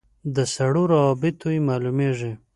له سړو رابطو یې معلومېږي.